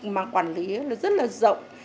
mà quản lý rất là rộng